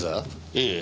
ええ。